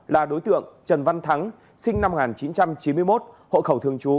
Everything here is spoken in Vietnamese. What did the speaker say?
là đối tượng trần văn thắng sinh năm một nghìn chín trăm chín mươi một hộ khẩu thường trú